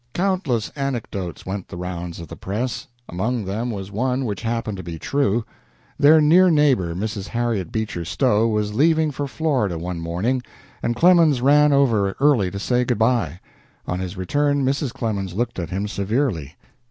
Countless anecdotes went the rounds of the press. Among them was one which happened to be true: Their near neighbor, Mrs. Harriet Beecher Stowe, was leaving for Florida one morning, and Clemens ran over early to say good by. On his return Mrs. Clemens looked at him severely.